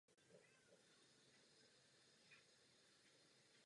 A co tedy s interoperabilitou v železničním sektoru?